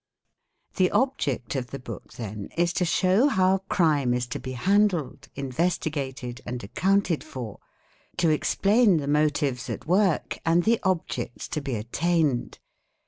. The object of the book then is to show how crime is to be handled, investigated, and accounted for, to explain the motives at work and the objects to be attained.